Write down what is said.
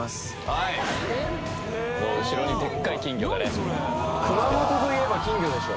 はいもう後ろにでっかい金魚がね熊本といえば金魚でしょ